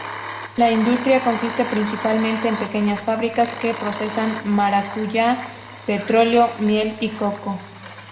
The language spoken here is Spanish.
La industria consiste principalmente en pequeñas fábricas que procesan maracuyá, petróleo, miel y coco.